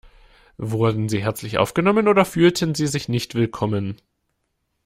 Wurden Sie herzlich aufgenommen oder fühlten Sie sich nicht willkommen?